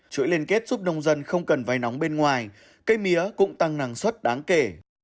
chuỗi liên kết giúp nông dân không cần vay nóng bên ngoài cây mía cũng tăng năng suất đáng kể